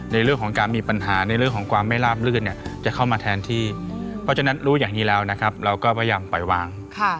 ในเรื่องของการมีปัญหาในเรื่องของความไม่ลาบลื่นเนี่ยจะเข้ามาแทนที่เพราะฉะนั้นรู้อย่างนี้แล้วนะครับเราก็พยายามปล่อยวาง